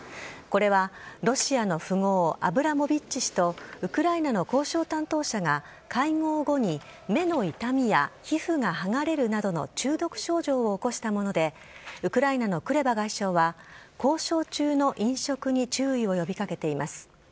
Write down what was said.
これは、ロシアの富豪、アブラモビッチ氏と、ウクライナの交渉担当者が、会合後に、目の痛みや皮膚が剥がれるなどの中毒症状を起こしたもので、ウクライナのクレバ外相は交渉中の飲食に注意を呼びかけています。